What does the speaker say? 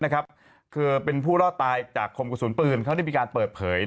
คือเป็นผู้รอดตายจากคมกระสุนปืนเขาได้มีการเปิดเผย